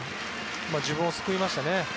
自分を救いましたね。